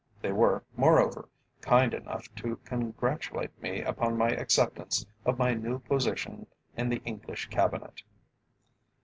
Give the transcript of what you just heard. They were, moreover, kind enough to congratulate me upon my acceptance of my new position in the English Cabinet.